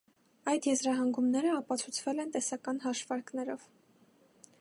Այդ եզրահանգումները ապացուցվել են տեսական հաշվարկներով։